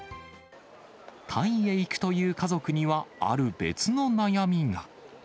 タイへ行くという家族にはある別の悩みが。